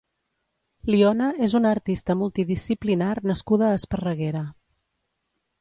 Lyona és una artista multidisciplinar nascuda a Esparreguera.